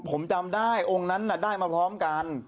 ผมจำได้องค์นั้นได้มาพร้อมกัน